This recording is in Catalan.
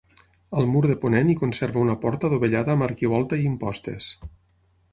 Al mur de ponent hi conserva una porta adovellada amb arquivolta i impostes.